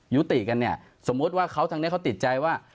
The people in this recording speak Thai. ยุติกันเนี่ยสมมุติว่าเขาทางนี้เขาติดใจว่า